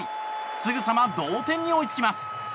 すぐさま同点に追いつきます。